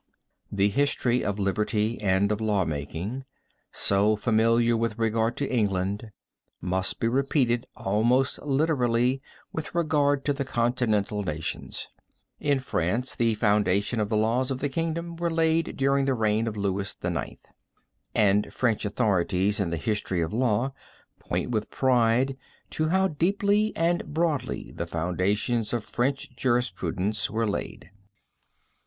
This history of liberty and of law making, so familiar with regard to England, must be repeated almost literally with regard to the continental nations. In France, the foundation of the laws of the kingdom were laid during the reign of Louis IX, and French authorities in the history of law, point with pride, to how deeply and broadly the foundations of French jurisprudence were laid.